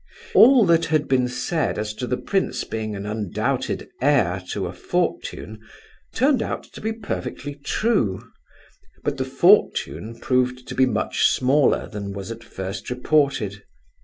All that had been said as to the prince being an undoubted heir to a fortune turned out to be perfectly true; but the fortune proved to be much smaller than was at first reported.